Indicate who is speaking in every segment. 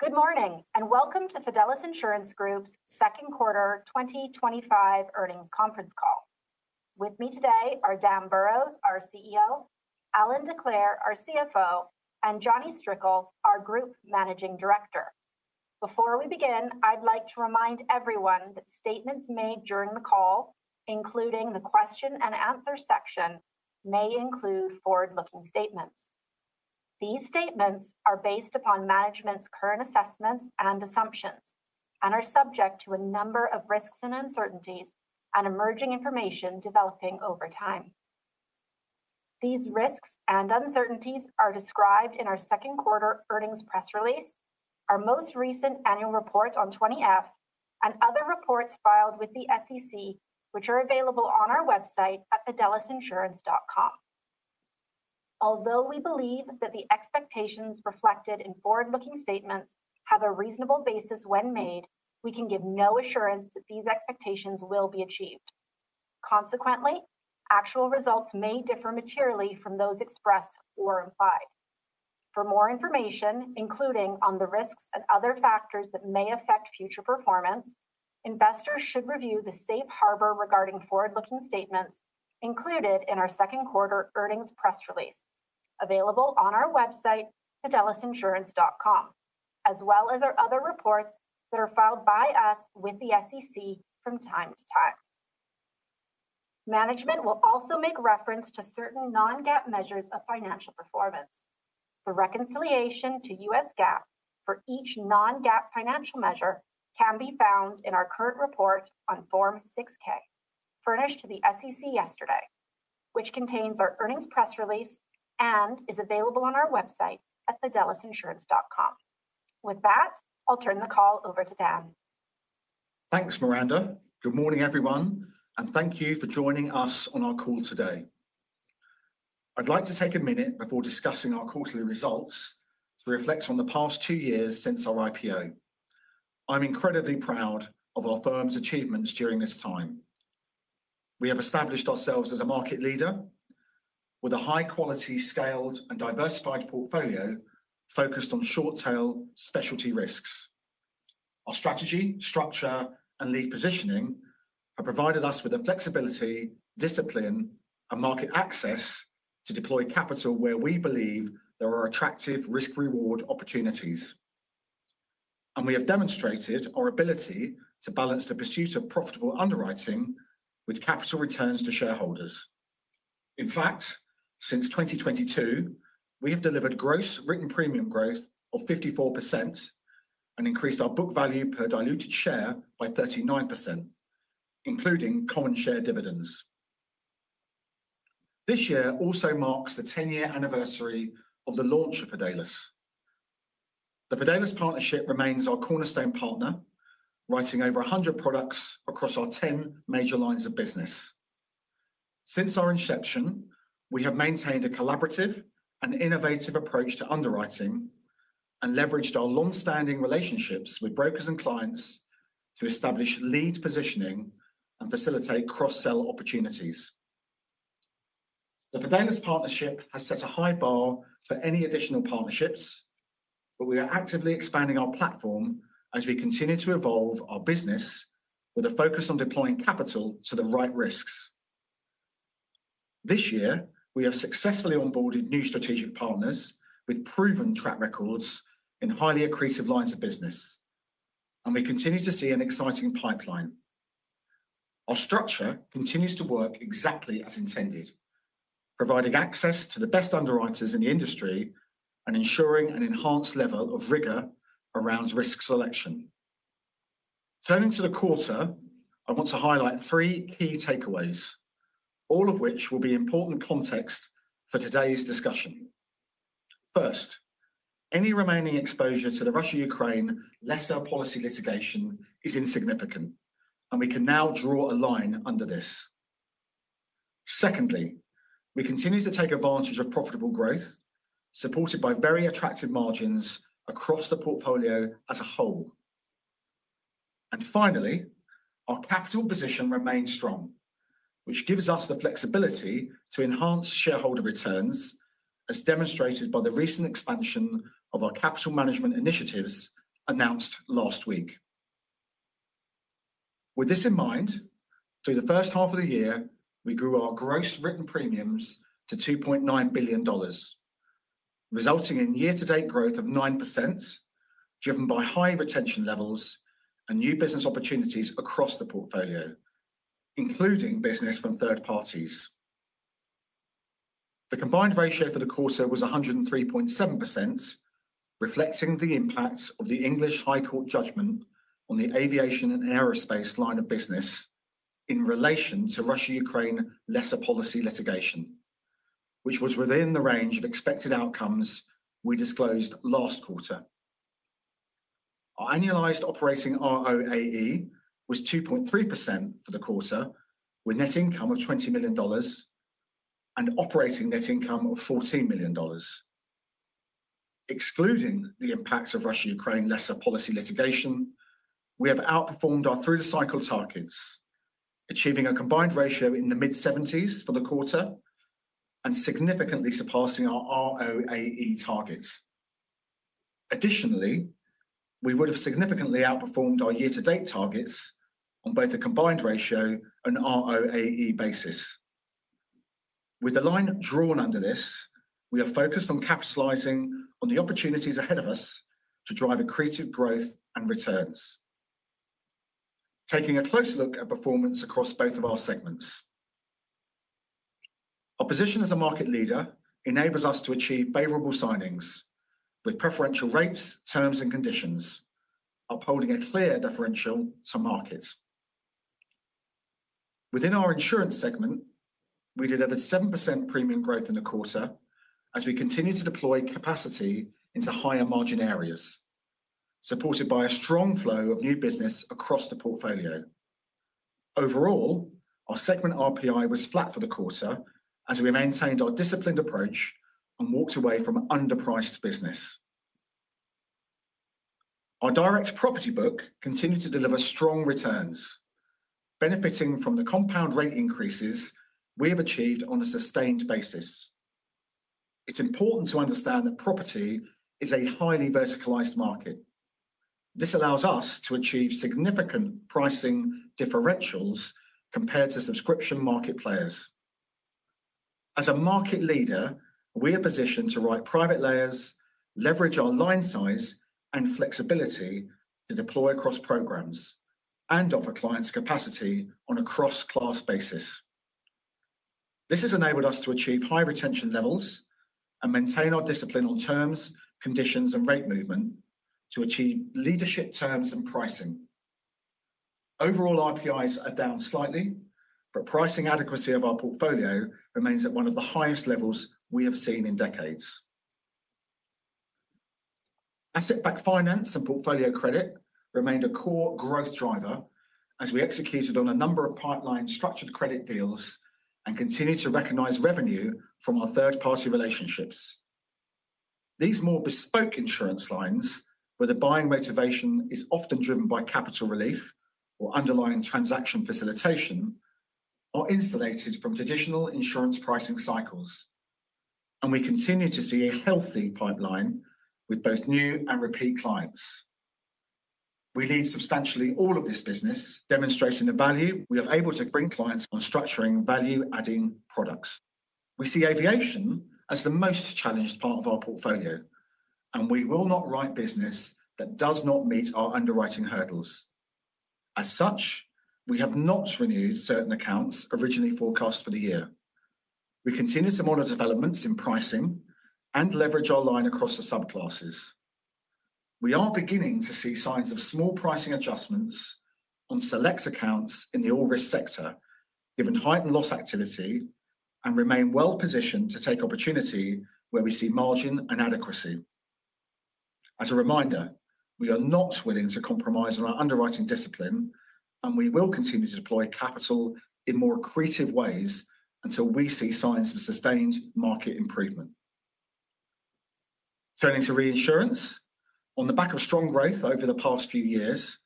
Speaker 1: Good morning and welcome to Fidelis Insurance Second Quarter 2025 Earnings Conference Call. With me today are Daniel Burrows, our CEO, Allan Decleir, our CFO, and Jonathan Strickle, our Group Managing Director. Before we begin, I'd like to remind everyone that statements made during the call, including the question and answer section, may include forward-looking statements. These statements are based upon management's current assessments and assumptions and are subject to a number of risks and uncertainties and emerging information developing over time. These risks and uncertainties are described in our second quarter earnings press release, our most recent annual report on Form 20-F, and other reports filed with the SEC, which are available on our website at fidelisinsurance.com. Although we believe that the expectations reflected in forward-looking statements have a reasonable basis when made, we can give no assurance that these expectations will be achieved. Consequently, actual results may differ materially from those expressed or implied. For more information, including on the risks and other factors that may affect future performance, investors should review the safe harbor regarding forward-looking statements included in our second quarter earnings press release, available on our website fidelisinsurance.com, as well as our other reports that are filed by us with the SEC from time to time. Management will also make reference to certain non-GAAP measures of financial performance. The reconciliation to U.S. GAAP for each non-GAAP financial measure can be found in our current report on Form 6-K, furnished to the SEC yesterday, which contains our earnings press release and is available on our website at fidelisinsurance.com. With that, I'll turn the call over to Daniel.
Speaker 2: Thanks, Miranda. Good morning, everyone, and thank you for joining us on our call today. I'd like to take a minute before discussing our quarterly results to reflect on the past two years since our IPO. I'm incredibly proud of our firm's achievements during this time. We have established ourselves as a market leader with a high-quality, scaled, and diversified portfolio focused on short-tail specialty risks. Our strategy, structure, and lead positioning have provided us with the flexibility, discipline, and market access to deploy capital where we believe there are attractive risk-reward opportunities. We have demonstrated our ability to balance the pursuit of profitable underwriting with capital returns to shareholders. In fact, since 2022, we have delivered gross written premium growth of 54% and increased our book value per diluted share by 39%, including common share dividends. This year also marks the 10-year anniversary of the launch of Fidelis. The Fidelis partnership remains our cornerstone partner, writing over 100 products across our 10 major lines of business. Since our inception, we have maintained a collaborative and innovative approach to underwriting and leveraged our long-standing relationships with brokers and clients to establish lead positioning and facilitate cross-sell opportunities. The Fidelis partnership has set a high bar for any additional partnerships, but we are actively expanding our platform as we continue to evolve our business with a focus on deploying capital to the right risks. This year, we have successfully onboarded new strategic partners with proven track records in highly accretive lines of business, and we continue to see an exciting pipeline. Our structure continues to work exactly as intended, providing access to the best underwriters in the industry and ensuring an enhanced level of rigor around risk selection. Turning to the quarter, I want to highlight three key takeaways, all of which will be important context for today's discussion. First, any remaining exposure to the Russia-Ukraine lesser policy litigation is insignificant, and we can now draw a line under this. Secondly, we continue to take advantage of profitable growth supported by very attractive margins across the portfolio as a whole. Finally, our capital position remains strong, which gives us the flexibility to enhance shareholder returns, as demonstrated by the recent expansion of our capital management initiatives announced last week. With this in mind, through the first half of the year, we grew our gross written premiums to $2.9 billion, resulting in year-to-date growth of 9%, driven by high retention levels and new business opportunities across the portfolio, including business from third parties. The combined ratio for the quarter was 103.7%, reflecting the impact of the English High Court judgment on the aviation and aerospace line of business in relation to Russia-Ukraine lesser policy litigation, which was within the range of expected outcomes we disclosed last quarter. Our annualized operating ROAE was 2.3% for the quarter, with a net income of $20 million and an operating net income of $14 million. Excluding the impacts of Russia-Ukraine lesser policy litigation, we have outperformed our through-the-cycle targets, achieving a combined ratio in the mid-70s for the quarter and significantly surpassing our ROAE targets. Additionally, we would have significantly outperformed our year-to-date targets on both a combined ratio and ROAE basis. With the line drawn under this, we are focused on capitalizing on the opportunities ahead of us to drive accretive growth and returns. Taking a closer look at performance across both of our segments, our position as a market leader enables us to achieve favorable signings with preferential rates, terms, and conditions, upholding a clear differential to market. Within our insurance segment, we delivered 7% premium growth in the quarter as we continue to deploy capacity into higher margin areas, supported by a strong flow of new business across the portfolio. Overall, our segment RPI was flat for the quarter as we maintained our disciplined approach and walked away from underpriced business. Our direct property book continues to deliver strong returns, benefiting from the compound rate increases we have achieved on a sustained basis. It's important to understand that property is a highly verticalized market. This allows us to achieve significant pricing differentials compared to subscription market players. As a market leader, we are positioned to write private layers, leverage our line size, and flexibility to deploy across programs and offer clients capacity on a cross-class basis. This has enabled us to achieve high retention levels and maintain our discipline on terms, conditions, and rate movement to achieve leadership terms and pricing. Overall, RPIs are down slightly, but pricing adequacy of our portfolio remains at one of the highest levels we have seen in decades. Asset-backed finance and portfolio credit remained a core growth driver as we executed on a number of pipeline structured credit deals and continue to recognize revenue from our third-party relationships. These more bespoke insurance lines, where the buying motivation is often driven by capital relief or underlying transaction facilitation, are insulated from traditional insurance pricing cycles, and we continue to see a healthy pipeline with both new and repeat clients. We lead substantially all of this business, demonstrating the value we are able to bring clients on structuring value-adding products. We see aviation as the most challenged part of our portfolio, and we will not write business that does not meet our underwriting hurdles. As such, we have not renewed certain accounts originally forecast for the year. We continue to monitor developments in pricing and leverage our line across the subclasses. We are beginning to see signs of small pricing adjustments on select accounts in the all-risk sector, given heightened loss activity, and remain well positioned to take opportunity where we see margin and adequacy. As a reminder, we are not willing to compromise on our underwriting discipline, and we will continue to deploy capital in more accretive ways until we see signs of sustained market improvement. Turning to reinsurance, on the back of strong growth over the past few years,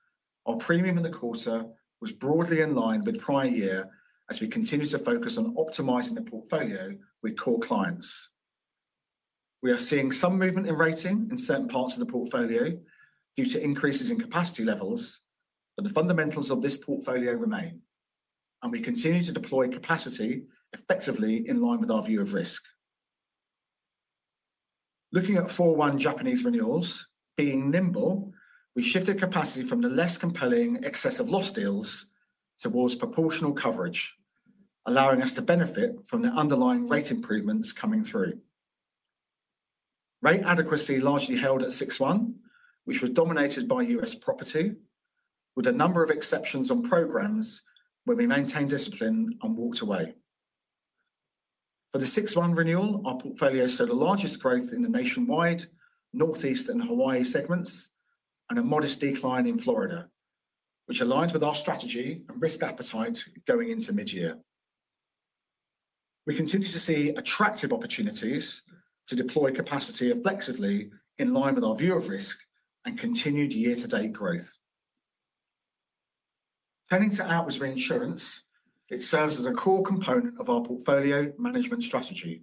Speaker 2: our premium in the quarter was broadly in line with prior year as we continue to focus on optimizing the portfolio with core clients. We are seeing some movement in rating in certain parts of the portfolio due to increases in capacity levels, but the fundamentals of this portfolio remain, and we continue to deploy capacity effectively in line with our view of risk. Looking at 4/1 Japanese renewals, being nimble, we shifted capacity from the less compelling excessive loss deals towards proportional coverage, allowing us to benefit from the underlying rate improvements coming through. Rate adequacy largely held at 6/1, which was dominated by U.S., property, with a number of exceptions on programs where we maintained discipline and walked away. For the 6/1 renewal, our portfolio saw the largest growth in the nationwide Northeast and Hawaii segments and a modest decline in Florida, which aligned with our strategy and risk appetite going into mid-year. We continue to see attractive opportunities to deploy capacity objectively in line with our view of risk and continued year-to-date growth. Turning to outwards reinsurance, it serves as a core component of our portfolio management strategy.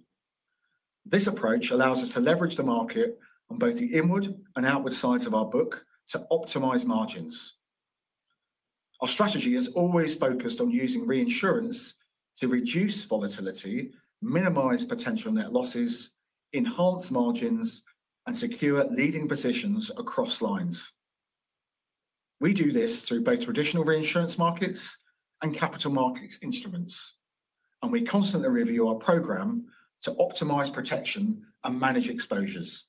Speaker 2: This approach allows us to leverage the market on both the inward and outward sides of our book to optimize margins. Our strategy has always focused on using reinsurance to reduce volatility, minimize potential net losses, enhance margins, and secure leading positions across lines. We do this through both traditional reinsurance markets and capital market instruments, and we constantly review our program to optimize protection and manage exposures.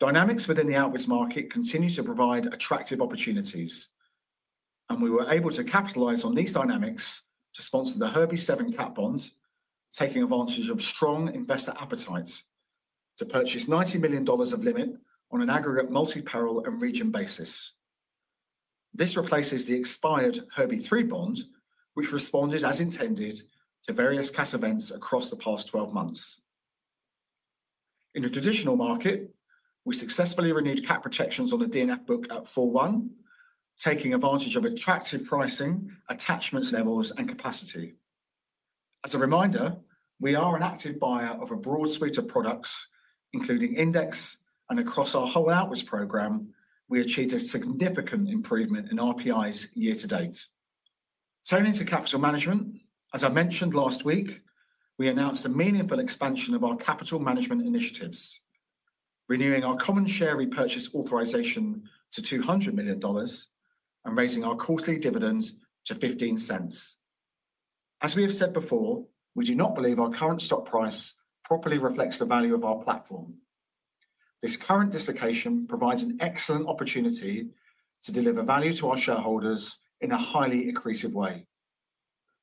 Speaker 2: Dynamics within the outwards market continue to provide attractive opportunities, and we were able to capitalize on these dynamics to sponsor the Herbie 7 cat bond, taking advantage of strong investor appetites to purchase $90 million of limit on an aggregate multi-parallel and region basis. This replaces the expired Herbie 3 bond, which responded as intended to various cat events across the past 12 months. In a traditional market, we successfully renewed cat protections on the D&F book at 4/1, taking advantage of attractive pricing, attachment levels, and capacity. As a reminder, we are an active buyer of a broad suite of products, including index and across our whole outwards program. We achieved a significant improvement in RPIs year-to-date. Turning to capital management, as I mentioned last week, we announced a meaningful expansion of our capital management initiatives, renewing our common share repurchase authorization to $200 million and raising our quarterly dividend to $0.15. As we have said before, we do not believe our current stock price properly reflects the value of our platform. This current dislocation provides an excellent opportunity to deliver value to our shareholders in a highly accretive way.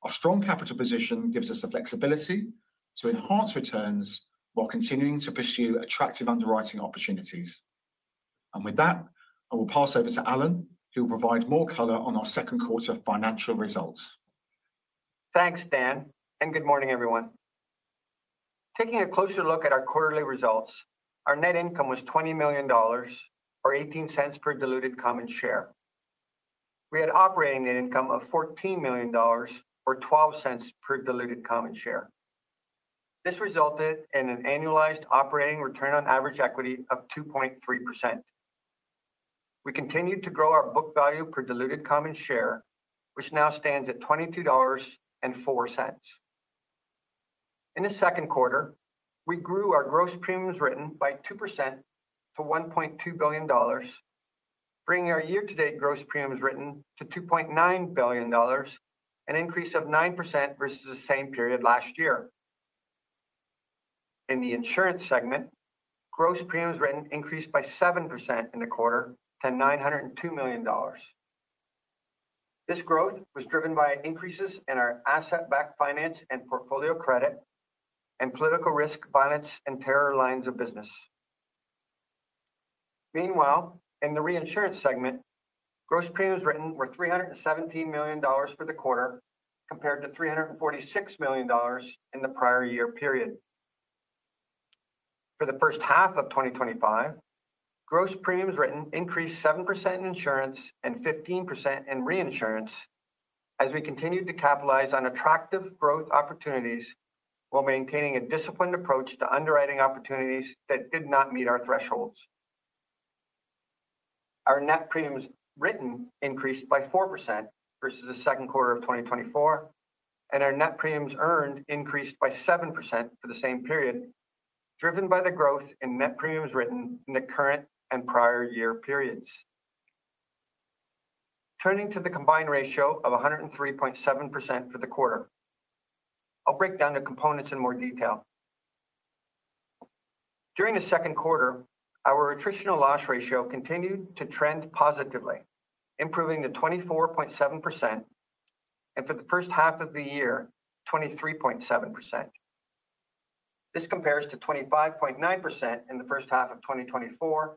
Speaker 2: Our strong capital position gives us the flexibility to enhance returns while continuing to pursue attractive underwriting opportunities. I will pass over to Allan, who will provide more color on our second quarter financial results.
Speaker 3: Thanks, Dan, and good morning, everyone. Taking a closer look at our quarterly results, our net income was $20 million, or $0.18 per diluted common share. We had an operating net income of $14 million, or $0.12 per diluted common share. This resulted in an annualized operating return on average equity of 2.3%. We continued to grow our book value per diluted common share, which now stands at $22.04. In the second quarter, we grew our gross premiums written by 2% to $1.2 billion, bringing our year-to-date gross premiums written to $2.9 billion, an increase of 9% versus the same period last year. In the insurance segment, gross premiums written increased by 7% in the quarter to $902 million. This growth was driven by increases in our asset-backed finance and portfolio credit and political risk, violence, and terror lines of business. Meanwhile, in the reinsurance segment, gross premiums written were $317 million for the quarter, compared to $346 million in the prior year period. For the first half of 2025, gross premiums written increased 7% in insurance and 15% in reinsurance as we continued to capitalize on attractive growth opportunities while maintaining a disciplined approach to underwriting opportunities that did not meet our thresholds. Our net premiums written increased by 4% versus the second quarter of 2024, and our net premiums earned increased by 7% for the same period, driven by the growth in net premiums written in the current and prior year periods. Turning to the combined ratio of 103.7% for the quarter, I'll break down the components in more detail. During the second quarter, our attritional loss ratio continued to trend positively, improving to 24.7%, and for the first half of the year, 23.7%. This compares to 25.9% in the first half of 2024,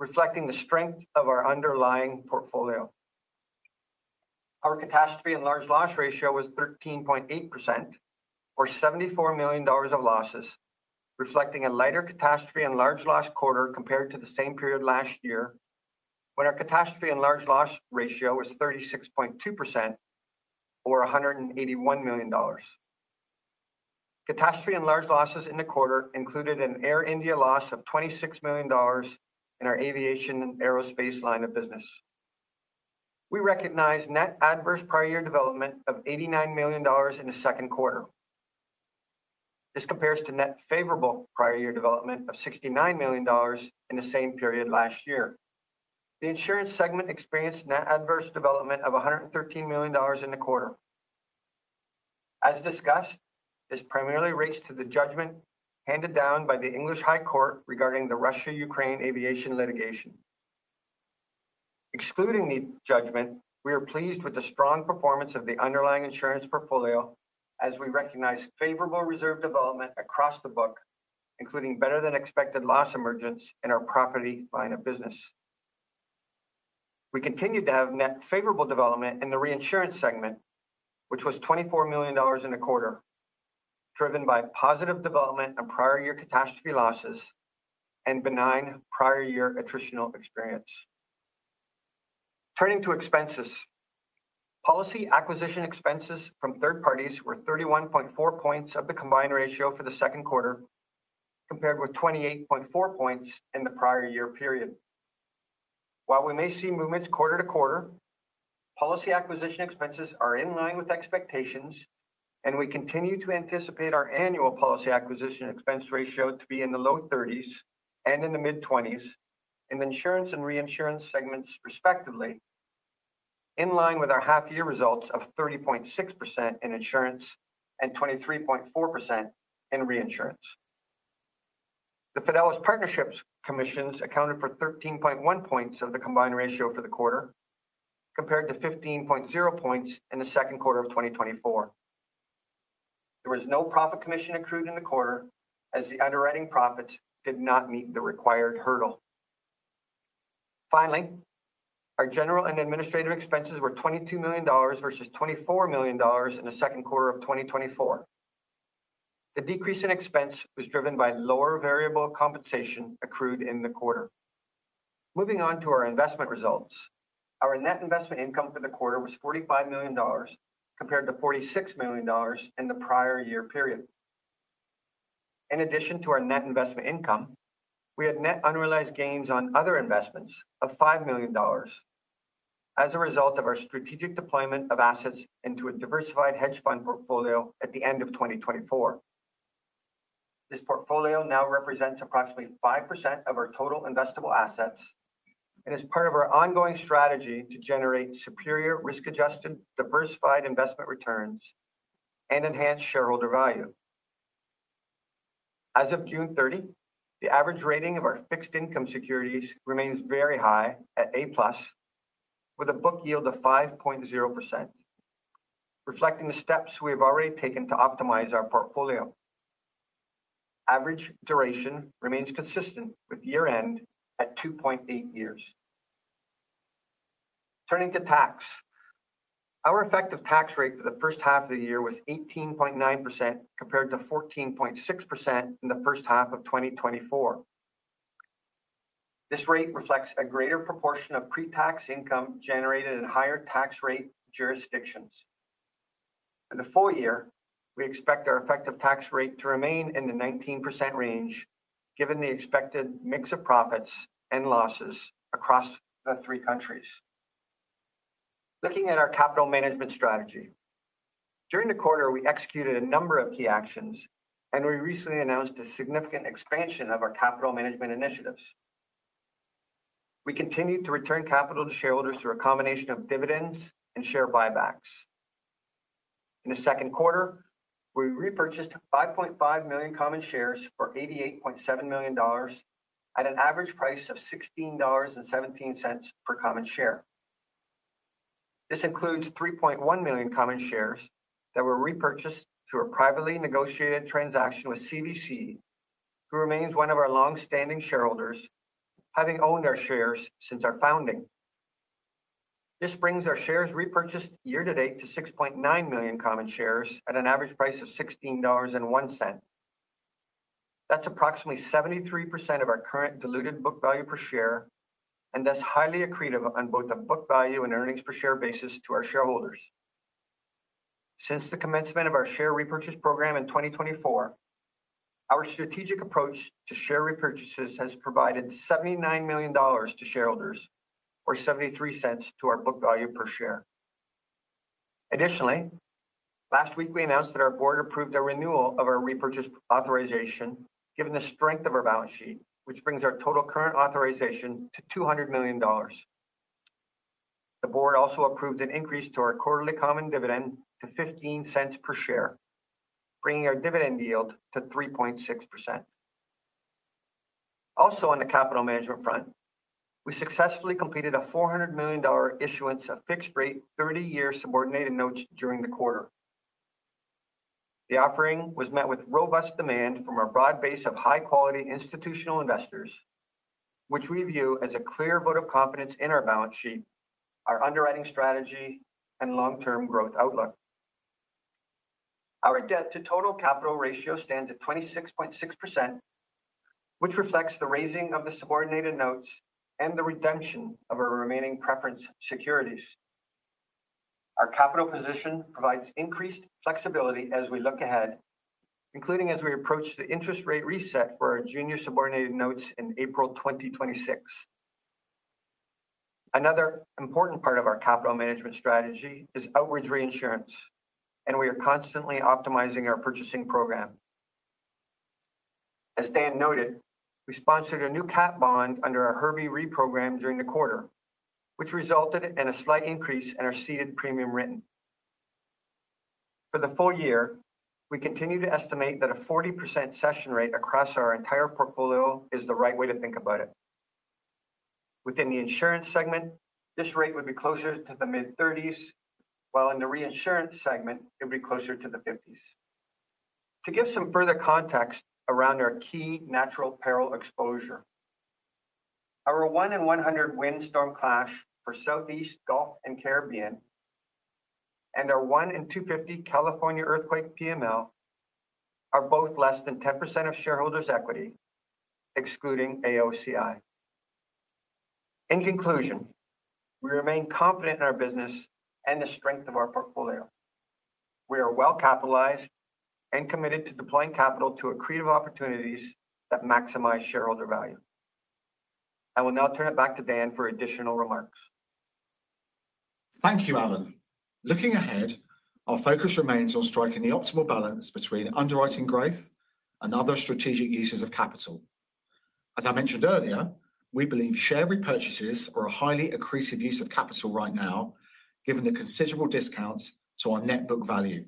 Speaker 3: reflecting the strength of our underlying portfolio. Our catastrophe and large loss ratio was 13.8%, or $74 million of losses, reflecting a lighter catastrophe and large loss quarter compared to the same period last year, when our catastrophe and large loss ratio was 36.2%, or $181 million. Catastrophe and large losses in the quarter included an Air India loss of $26 million in our aviation and aerospace line of business. We recognized net adverse prior year development of $89 million in the second quarter. This compares to net favorable prior year development of $69 million in the same period last year. The insurance segment experienced net adverse development of $113 million in the quarter. As discussed, this primarily relates to the judgment handed down by the English High Court regarding the Russia-Ukraine aviation litigation. Excluding the judgment, we are pleased with the strong performance of the underlying insurance portfolio as we recognize favorable reserve development across the book, including better-than-expected loss emergence in our property line of business. We continue to have net favorable development in the reinsurance segment, which was $24 million in the quarter, driven by positive development in prior year catastrophe losses and benign prior year attritional experience. Turning to expenses, policy acquisition expenses from third parties were 31.4 points of the combined ratio for the second quarter, compared with 28.4 points in the prior year period. While we may see movements quarter-to-quarter, policy acquisition expenses are in line with expectations, and we continue to anticipate our annual policy acquisition expense ratio to be in the low 30s and in the mid-20s in the insurance and reinsurance segments respectively, in line with our half-year results of 30.6% in insurance and 23.4% in reinsurance. The Fidelis Partnerships Commissions accounted for 13.1 points of the combined ratio for the quarter, compared to 15.0 points in the second quarter of 2024. There was no profit commission accrued in the quarter as the underwriting profits did not meet the required hurdle. Finally, our general and administrative expenses were $22 million versus $24 million in the second quarter of 2024. The decrease in expense was driven by lower variable compensation accrued in the quarter. Moving on to our investment results, our net investment income for the quarter was $45 million, compared to $46 million in the prior year period. In addition to our net investment income, we had net unrealized gains on other investments of $5 million as a result of our strategic deployment of assets into a diversified hedge fund portfolio at the end of 2024. This portfolio now represents approximately 5% of our total investable assets and is part of our ongoing strategy to generate superior risk-adjusted, diversified investment returns and enhance shareholder value. As of June 30, the average rating of our fixed income securities remains very high at A+, with a book yield of 5.0%, reflecting the steps we have already taken to optimize our portfolio. Average duration remains consistent with year-end at 2.8 years. Turning to tax, our effective tax rate for the first half of the year was 18.9%, compared to 14.6% in the first half of 2024. This rate reflects a greater proportion of pre-tax income generated in higher tax rate jurisdictions. For the full year, we expect our effective tax rate to remain in the 19% range, given the expected mix of profits and losses across the three countries. Looking at our capital management strategy, during the quarter, we executed a number of key actions, and we recently announced a significant expansion of our capital management initiatives. We continued to return capital to shareholders through a combination of dividends and share buybacks. In the second quarter, we repurchased 5.5 million common shares for $88.7 million at an average price of $16.17 per common share. This includes 3.1 million common shares that were repurchased through a privately negotiated transaction with CVC, who remains one of our long-standing shareholders, having owned our shares since our founding. This brings our shares repurchased year to date to 6.9 million common shares at an average price of $16.01. That's approximately 73% of our current diluted book value per share and thus highly accretive on both the book value and earnings per share basis to our shareholders. Since the commencement of our share repurchase program in 2024, our strategic approach to share repurchases has provided $79 million to shareholders, or $0.73 to our book value per share. Additionally, last week we announced that our board approved a renewal of our repurchase authorization, given the strength of our balance sheet, which brings our total current authorization to $200 million. The board also approved an increase to our quarterly common dividend to $0.15 per share, bringing our dividend yield to 3.6%. Also, on the capital management front, we successfully completed a $400 million issuance of fixed-rate 30-year subordinated notes during the quarter. The offering was met with robust demand from a broad base of high-quality institutional investors, which we view as a clear vote of confidence in our balance sheet, our underwriting strategy, and long-term growth outlook. Our debt-to-total capital ratio stands at 26.6%, which reflects the raising of the subordinated notes and the redemption of our remaining preference securities. Our capital position provides increased flexibility as we look ahead, including as we approach the interest rate reset for our junior subordinated notes in April 2026. Another important part of our capital management strategy is outwards reinsurance, and we are constantly optimizing our purchasing program. As Dan noted, we sponsored a new cat bond under our Herbie Re program during the quarter, which resulted in a slight increase in our ceded premium written. For the full year, we continue to estimate that a 40% cession rate across our entire portfolio is the right way to think about it. Within the insurance segment, this rate would be closer to the mid-30s, while in the reinsurance segment, it would be closer to the 50s. To give some further context around our key natural peril exposure, our 1-in-100 windstorm PML for Southeast Gulf and Caribbean and our 1-in-250 California earthquake PML are both less than 10% of shareholders' equity, excluding AOCI. In conclusion, we remain confident in our business and the strength of our portfolio. We are well capitalized and committed to deploying capital to accretive opportunities that maximize shareholder value. I will now turn it back to Dan for additional remarks.
Speaker 2: Thank you, Allan. Looking ahead, our focus remains on striking the optimal balance between underwriting growth and other strategic uses of capital. As I mentioned earlier, we believe share repurchases are a highly accretive use of capital right now, given the considerable discounts to our net book value.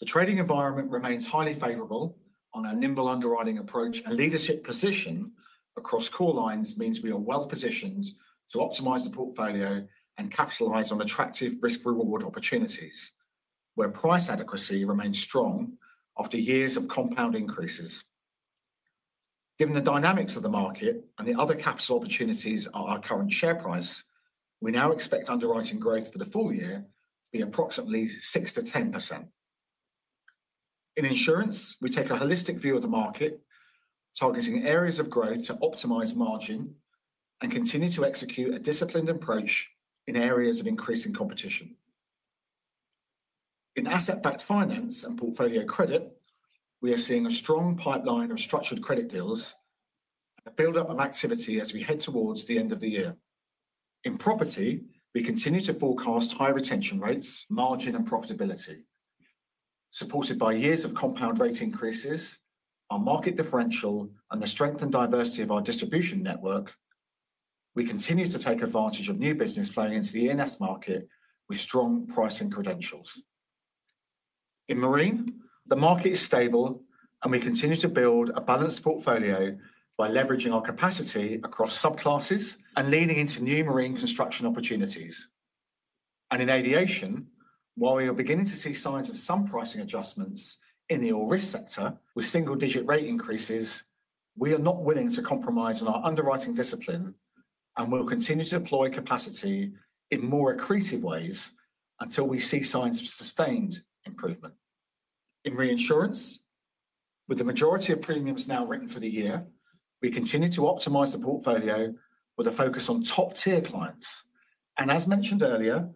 Speaker 2: The trading environment remains highly favorable on our nimble underwriting approach. A leadership position across core lines means we are well positioned to optimize the portfolio and capitalize on attractive risk-reward opportunities, where price adequacy remains strong after years of compound increases. Given the dynamics of the market and the other capital opportunities at our current share price, we now expect underwriting growth for the full year to be approximately 6%-10%. In insurance, we take a holistic view of the market, targeting areas of growth to optimize margin and continue to execute a disciplined approach in areas of increasing competition. In asset-backed finance and portfolio credit, we are seeing a strong pipeline of structured credit deals and build up of activity as we head towards the end of the year. In property, we continue to forecast high retention rates, margin, and profitability. Supported by years of compound rate increases, our market differential, and the strength and diversity of our distribution network, we continue to take advantage of new business playing into the E&S market with strong pricing credentials. In marine, the market is stable, and we continue to build a balanced portfolio by leveraging our capacity across subclasses and leaning into new marine construction opportunities. In aviation, while we are beginning to see signs of some pricing adjustments in the all-risk sector with single-digit rate increases, we are not willing to compromise on our underwriting discipline and will continue to deploy capacity in more accretive ways until we see signs of sustained improvement. In reinsurance, with the majority of premiums now written for the year, we continue to optimize the portfolio with a focus on top-tier clients. As mentioned earlier,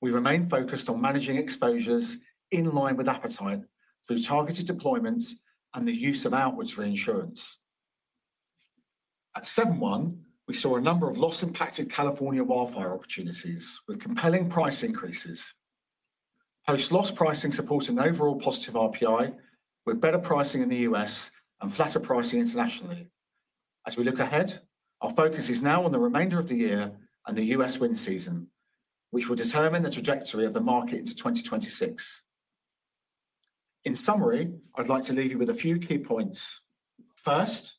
Speaker 2: we remain focused on managing exposures in line with appetite through targeted deployments and the use of outwards reinsurance. At 7/1., we saw a number of loss-impacted California wildfire opportunities with compelling price increases. Post-loss pricing supports an overall positive RPI with better pricing in the U.S., and flatter pricing internationally. As we look ahead, our focus is now on the remainder of the year and the U.S., wind season, which will determine the trajectory of the market into 2026. In summary, I'd like to leave you with a few key points. First,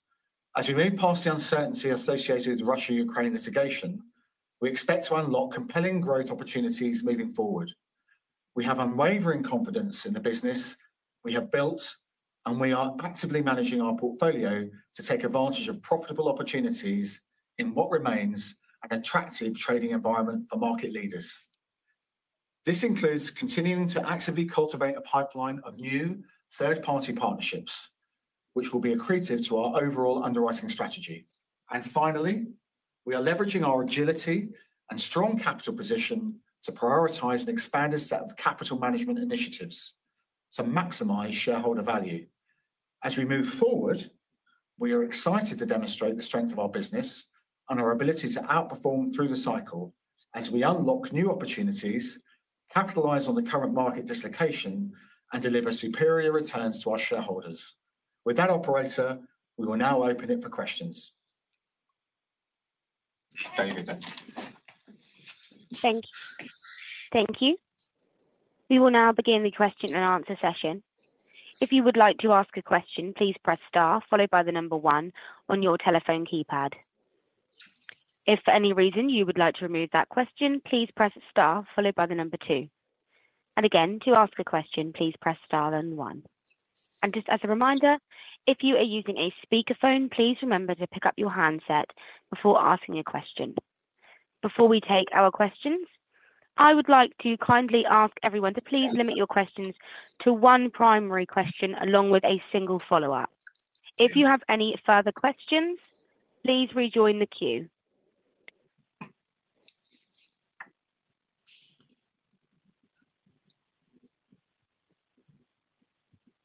Speaker 2: as we move past the uncertainty associated with Russia-Ukraine litigation, we expect to unlock compelling growth opportunities moving forward. We have unwavering confidence in the business we have built, and we are actively managing our portfolio to take advantage of profitable opportunities in what remains an attractive trading environment for market leaders. This includes continuing to actively cultivate a pipeline of new third-party partnerships, which will be accretive to our overall underwriting strategy. We are leveraging our agility and strong capital position to prioritize an expanded set of capital management initiatives to maximize shareholder value. As we move forward, we are excited to demonstrate the strength of our business and our ability to outperform through the cycle as we unlock new opportunities, capitalize on the current market dislocation, and deliver superior returns to our shareholders. With that, operator, we will now open it for questions.
Speaker 4: Thank you. Thank you. We will now begin the question and answer session. If you would like to ask a question, please press Star, followed by the number one on your telephone keypad. If for any reason you would like to remove that question, please press Star, followed by the number two. To ask a question, please press Star and one. Just as a reminder, if you are using a speaker phone, please remember to pick up your handset before asking a question. Before we take our questions, I would like to kindly ask everyone to please limit your questions to one primary question, along with a single follow-up. If you have any further questions, please rejoin the queue.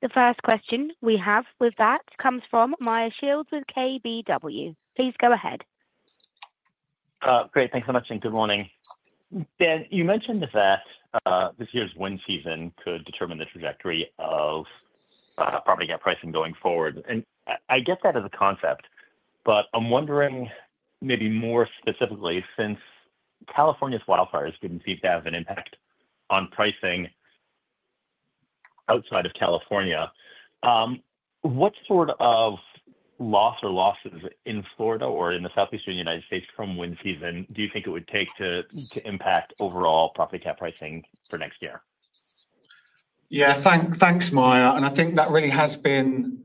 Speaker 4: The first question we have comes from Meyer Shields with KBW. Please go ahead.
Speaker 5: Great, thanks for mentioning. Good morning. Dan, you mentioned that this year's wind season could determine the trajectory of property cat pricing going forward. I get that as a concept, but I'm wondering maybe more specifically, since California's wildfires didn't seem to have an impact on pricing outside of California, what sort of loss or losses in Florida or in the southeastern United States from wind season do you think it would take to impact overall property cat pricing for next year?
Speaker 2: Yeah, thanks, Meyer. I think that really has been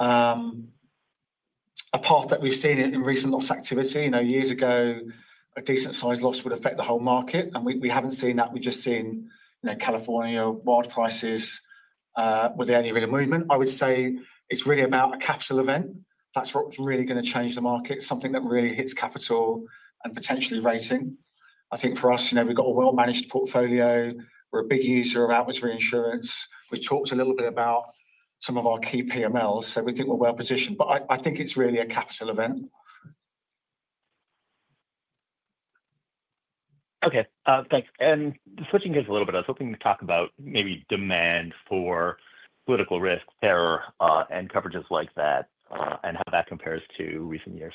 Speaker 2: a part that we've seen in recent loss activity. Years ago, a decent size loss would affect the whole market, and we haven't seen that. We've just seen, you know, California wild prices without any real movement. I would say it's really about a capital event. That's what's really going to change the market, something that really hits capital and potentially rating. I think for us, we've got a well-managed portfolio. We're a big user of outwards reinsurance. We talked a little bit about some of our key PMLs, so we think we're well positioned, but I think it's really a capital event.
Speaker 5: Okay, thanks. Switching gears a little bit, I was hoping to talk about maybe demand for political risk, terror, and coverages like that and how that compares to recent years.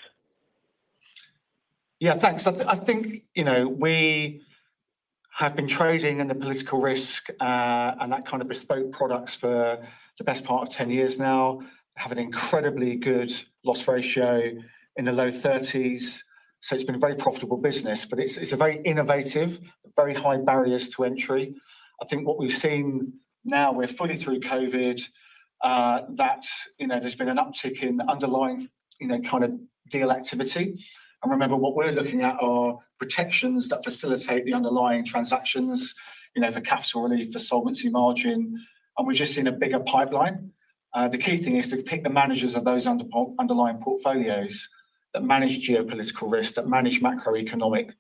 Speaker 2: Yeah, thanks. I think, you know, we have been trading in the political risk and that kind of bespoke products for the best part of 10 years now, have an incredibly good loss ratio in the low 30%. It has been a very profitable business, but it is very innovative, very high barriers to entry. I think what we've seen now, we're fully through COVID, that there's been an uptick in underlying deal activity. Remember what we're looking at are protections that facilitate the underlying transactions, for capital relief, for solvency margin. We're just in a bigger pipeline. The key thing is to pick the managers of those underlying portfolios that manage geopolitical risk, that manage macroeconomic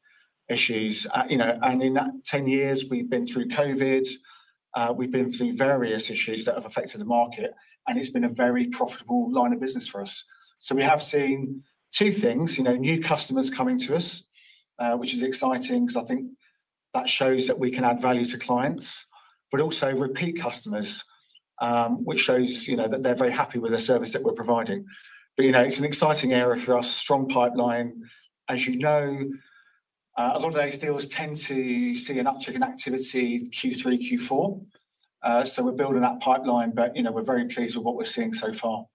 Speaker 2: issues. In that 10 years, we've been through COVID. We've been through various issues that have affected the market, and it's been a very profitable line of business for us. We have seen two things: new customers coming to us, which is exciting because I think that shows that we can add value to clients, and also repeat customers, which shows that they're very happy with the service that we're providing. It's an exciting area for us, strong pipeline. As you know, a lot of those deals tend to see an uptick in activity Q3, Q4. We're building that pipeline, and we're very pleased with what we're seeing so far.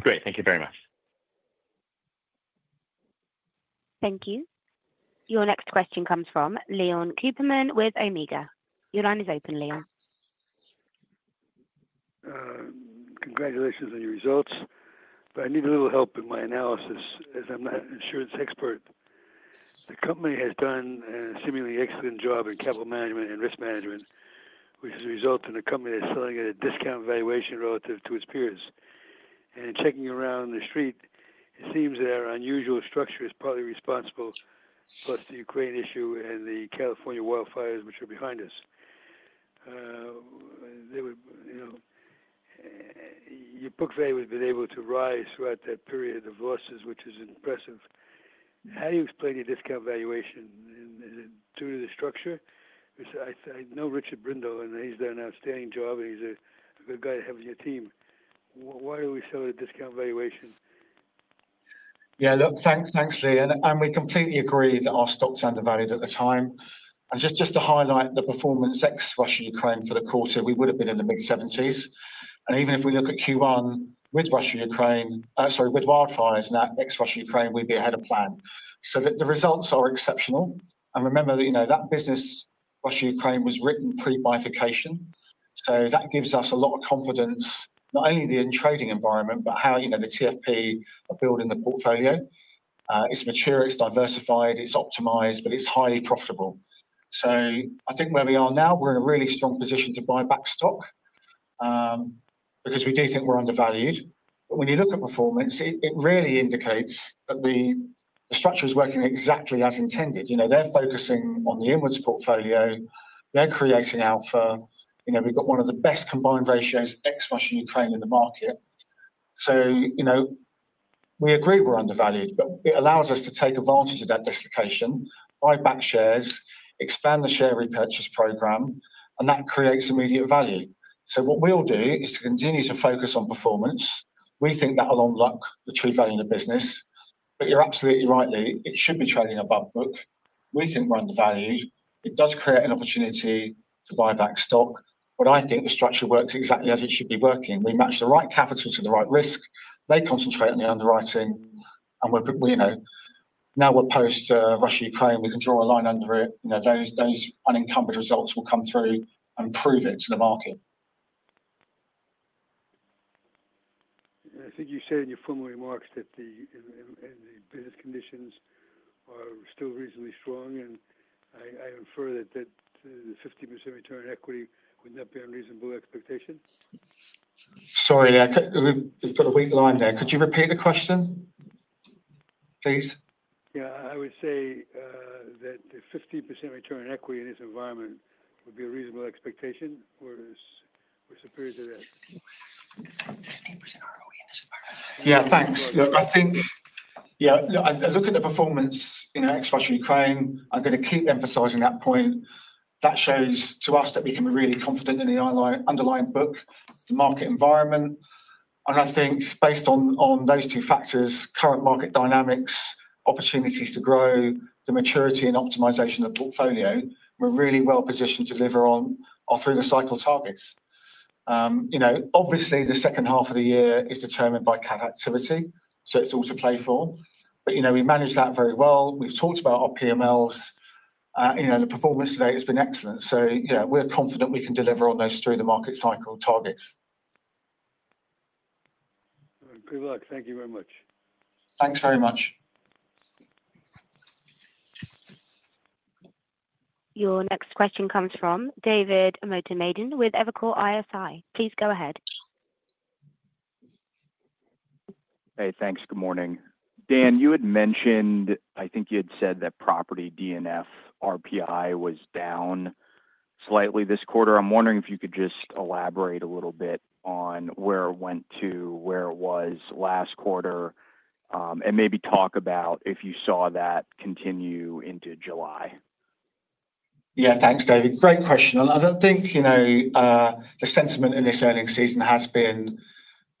Speaker 5: Great, thank you very much.
Speaker 4: Thank you. Your next question comes from Leon Cooperman with Omega. Your line is open, Lee.
Speaker 6: Congratulations on your results, but I need a little help in my analysis as I'm not an insurance expert. The company has done a seemingly excellent job in capital management and risk management, which has resulted in a company that's selling at a discounted valuation relative to its peers. In checking around the street, it seems that our unusual structure is partly responsible for the Ukraine issue and the California wildfires, which are behind us. Your book value has been able to rise throughout that period of losses, which is impressive. How do you explain your discount valuation? Is it due to the structure? I know Richard Brindle, and he's done an outstanding job, and he's a good guy to have as your team. Why do we sell at a discounted valuation?
Speaker 2: Yeah, look, thanks, Leon. We completely agree that our stock's undervalued at the time. Just to highlight the performance ex-Russia-Ukraine for the quarter, we would have been in the mid-70s. Even if we look at Q1 with Russia-Ukraine, sorry, with wildfires now ex-Russia-Ukraine, we'd be ahead of plan. The results are exceptional. Remember that business, Russia-Ukraine, was written pre-bifurcation. That gives us a lot of confidence, not only in the trading environment, but how the TFP are building the portfolio. It's mature, it's diversified, it's optimized, but it's highly profitable. I think where we are now, we're in a really strong position to buy back stock because we do think we're undervalued. When you look at performance, it really indicates that the structure is working exactly as intended. They're focusing on the inwards portfolio. They're creating alpha. We've got one of the best combined ratios ex-Russia-Ukraine in the market. We agree we're undervalued, but it allows us to take advantage of that dislocation, buy back shares, expand the share repurchase program, and that creates immediate value. What we'll do is to continue to focus on performance. We think that along luck the true value of the business. You're absolutely right, Lee. It should be trading above book. We think we're undervalued. It does create an opportunity to buy back stock. I think the structure works exactly as it should be working. We match the right capital to the right risk. They concentrate on the underwriting. Now we're post-Russia-Ukraine. We can draw a line under it. Those unencumbered results will come through and prove it to the market.
Speaker 6: I think you said in your formal remarks that the business conditions are still reasonably strong. I infer that the 50% return on equity would not be unreasonable expectations.
Speaker 2: Sorry, Lee. You've got a weak line there. Could you repeat the question, please?
Speaker 6: Yeah, I would say that the 50% return on equity in this environment would be a reasonable expectation, or is it superior to that?
Speaker 2: Yeah, thanks. Look, I think, yeah, I look at the performance in ex-Russia-Ukraine. I'm going to keep emphasizing that point. That shows to us that we can be really confident in the underlying book, the market environment. I think based on those two factors, current market dynamics, opportunities to grow, the maturity and optimization of the portfolio, we're really well positioned to deliver on our through-the-cycle targets. Obviously, the second half of the year is determined by cat activity. It's all to play for, but we manage that very well. We've talked about our PMLs. The performance today has been excellent. So yeah, we're confident we can deliver on those through-the-market cycle targets.
Speaker 6: Good luck. Thank you very much.
Speaker 2: Thanks very much.
Speaker 4: Your next question comes from David Motemaden with Evercore ISI. Please go ahead.
Speaker 7: Hey, thanks. Good morning. Dan, you had mentioned, I think you had said that property D&F RPI was down slightly this quarter. I'm wondering if you could just elaborate a little bit on where it went to where it was last quarter, and maybe talk about if you saw that continue into July.
Speaker 2: Yeah, thanks, David. Great question. I don't think the sentiment in this earnings season has been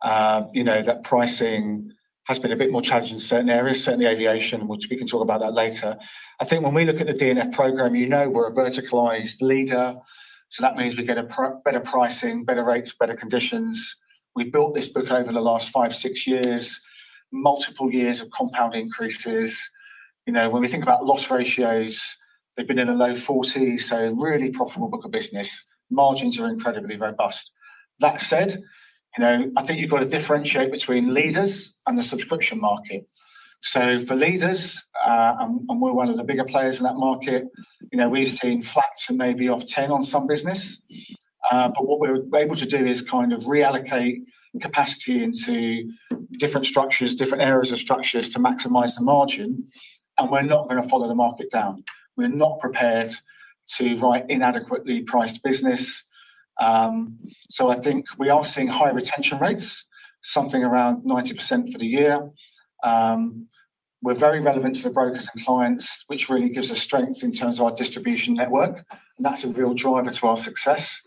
Speaker 2: that pricing has been a bit more challenging in certain areas, certainly aviation, which we can talk about that later. I think when we look at the D&F program, we're a verticalized leader. That means we get better pricing, better rates, better conditions. We've built this book over the last five, six years, multiple years of compound increases. When we think about loss ratios, they've been in the low 40s, so really profitable book of business. Margins are incredibly robust. That said, you've got to differentiate between leaders and the subscription market. For leaders, and we're one of the bigger players in that market, we've seen flat to maybe up 10 on some business. What we're able to do is reallocate capacity into different structures, different areas of structures to maximize the margin. We're not going to follow the market down. We're not prepared to write inadequately priced business. I think we are seeing high retention rates, something around 90% for the year. We're very relevant to the brokers and clients, which really gives us strength in terms of our distribution network. That's a real driver to our success.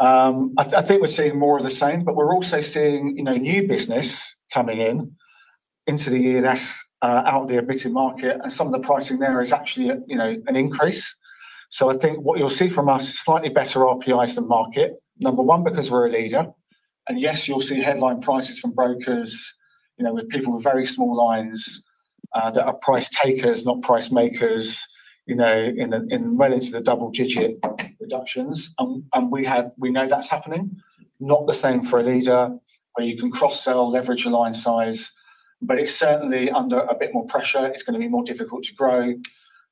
Speaker 2: I think we're seeing more of the same, but we're also seeing new business coming in into the E&S out of the emitting market. Some of the pricing there is actually an increase. I think what you'll see from us is slightly better RPIs than market, number one, because we're a leader. Yes, you'll see headline prices from brokers, with people with very small lines, that are price takers, not price makers, whether it's the double digit reductions. We know that's happening. Not the same for a leader, or you can cross-sell leverage your line size. It's certainly under a bit more pressure. It's going to be more difficult to grow,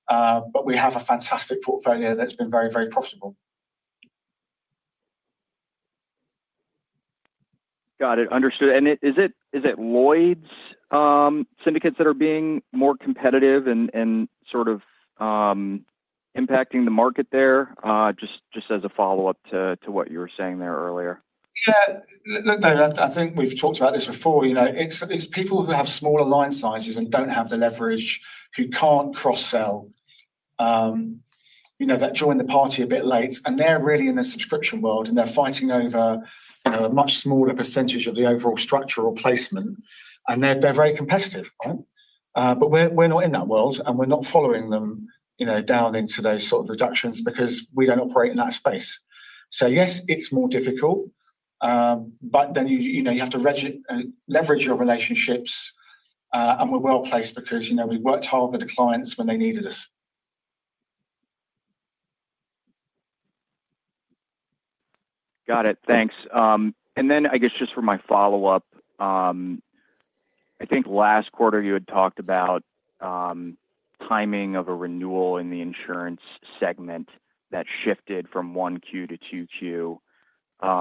Speaker 2: but we have a fantastic portfolio that's been very, very profitable.
Speaker 7: Got it. Understood. Is it Lloyd's syndicates that are being more competitive and sort of impacting the market there, just as a follow-up to what you were saying earlier?
Speaker 2: Yeah. Look, Dave. I think we've talked about this before. You know, it's people who have smaller line sizes and don't have the leverage who can't cross-sell, you know, that join the party a bit late. They're really in the subscription world, and they're fighting over a much smaller percentage of the overall structure or placement. They're very competitive, right? We're not in that world, and we're not following them down into those sort of deductions because we don't operate in that space. Yes, it's more difficult, but then you have to leverage your relationships, and we're well placed because we worked hard with the clients when they needed us.
Speaker 7: Got it. Thanks. I guess just for my follow-up, I think last quarter you had talked about timing of a renewal in the insurance segment that shifted from 1Q to 2Q.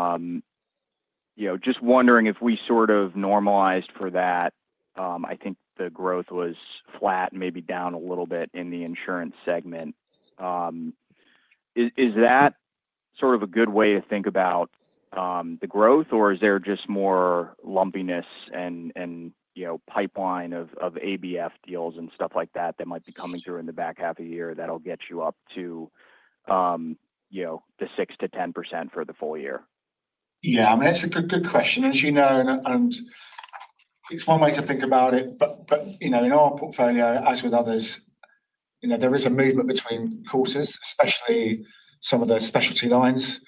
Speaker 7: Just wondering if we sort of normalized for that. I think the growth was flat and maybe down a little bit in the insurance segment. Is that sort of a good way to think about the growth, or is there just more lumpiness and pipeline of asset-backed finance deals and stuff like that that might be coming through in the back half of the year that'll get you up to the 6%-10% for the full year?
Speaker 2: Yeah, I mean, that's a good question, as you know, and it's one way to think about it. In our portfolio, as with others, there is a movement between quarters, especially some of the specialty lines.